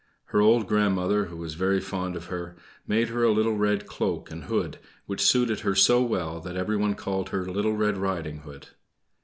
Her old grandmother, who was very fond of her, made her a little red cloak and hood, which suited her so well that everyone called her "Little Red Riding Hood."